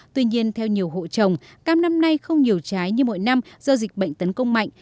tuy nhiên theo nhiều hộ trồng cam năm nay không nhiều trái như mỗi năm do dịch bệnh tấn công mạnh